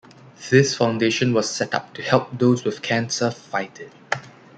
This foundation was set up to help those with cancer fight it.